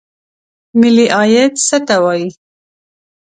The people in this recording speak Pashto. ملي عاید څه ته وایي؟